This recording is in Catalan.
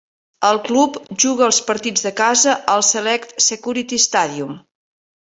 El club juga els partits de casa al Select Security Stadium.